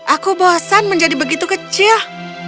aku bosan menjadi begitu kecil